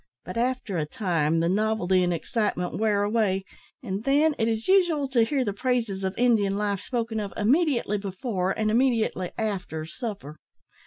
But after a time the novelty and excitement wear away, and then it is usual to hear the praises of Indian life spoken of immediately before and immediately after supper.